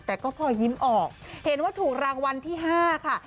แต่ก็พอยิ้มออกเห็นว่าถูกรางวัลที่๕ค่ะ